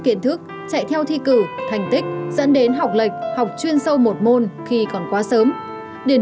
kiến thức chạy theo thi cử thành tích dẫn đến học lệch học chuyên sâu một môn khi còn quá sớm điển